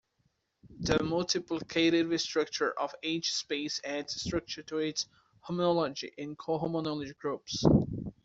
The multiplicative structure of an H-space adds structure to its homology and cohomology groups.